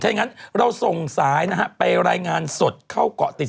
อย่างนั้นเราส่งสายนะฮะไปรายงานสดเข้าเกาะติด